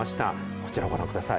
こちらご覧ください。